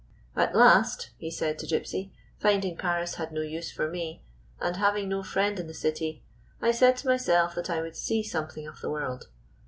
"At last," he said to Gypsy, "finding Paris had no use for me, and having no friend in the city, I said to myself that I would see something of the world.